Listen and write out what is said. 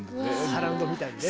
サラウンドみたいにね。